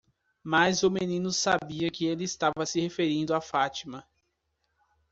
Mas o menino sabia que ele estava se referindo a Fátima.